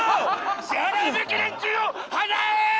支払うべき年金を払えー！